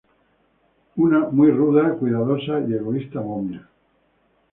Una muy ruda, cuidadosa y egoísta momia.